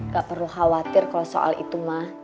gak perlu khawatir kalau soal itu mah